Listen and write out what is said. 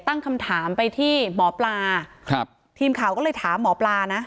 ตั้งคำถามไปที่หมอปลาครับทีมข่าวก็เลยถามหมอปลานะ